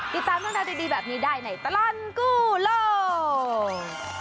ติดตามด้วยเราดีแบบนี้ได้ในตลัดกู้โลก